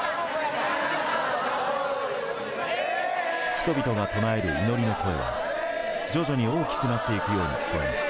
人々が唱える祈りの声は徐々に大きくなっていくように聞こえます。